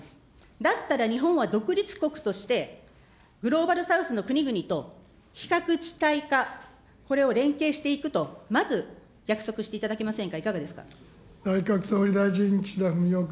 だったら日本は独立国として、グローバル・サウスの国々と非核地帯化、これを連携していくと、まず約束していただけませんか、いかがですか。